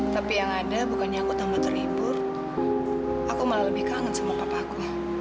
tapi yang ada bukannya aku tambah terhibur aku malah lebih kangen sama papaku